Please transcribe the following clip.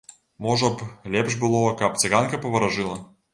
Можа б, лепш было, каб цыганка паваражыла.